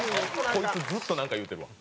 こいつずっとなんか言うてるわ。